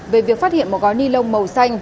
về việc phát hiện một gói ni lông màu xanh